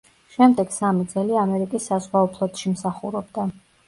შემდეგ სამი წელი ამერიკის საზღვაო ფლოტში მსახურობდა.